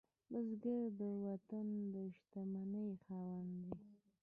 بزګر د وطن د شتمنۍ خاوند دی